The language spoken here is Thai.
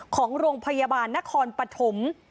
ของโรงพยาบาลนครปฐม